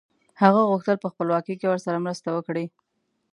هغه غوښتل په خپلواکۍ کې ورسره مرسته وکړي.